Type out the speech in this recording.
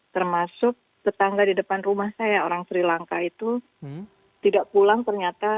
termasuk tetangga di depan rumah saya orang sri lanka itu tidak pulang ternyata